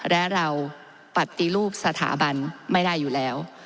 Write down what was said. และเราปฏิรูปสถาบันไม่ได้อยู่แล้ว